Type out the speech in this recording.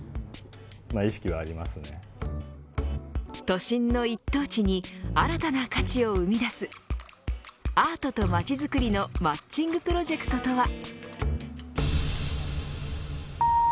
都心の一等地に新たな価値を生み出すアートと街づくりのマッチングプロジェクトとは。